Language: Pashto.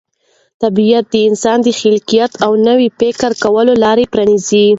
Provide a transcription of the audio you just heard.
طبیعت د انسان د خلاقیت او نوي فکر کولو لاره پرانیزي.